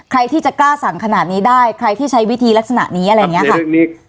ใครที่จะกล้าสั่งขนาดนี้ได้ใครที่ใช้วิธีลักษณะนี้อะไรอย่างนี้ค่ะ